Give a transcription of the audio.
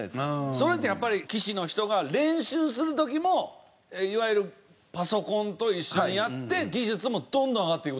それってやっぱり棋士の人が練習する時もいわゆるパソコンと一緒にやって技術もどんどん上がっていく？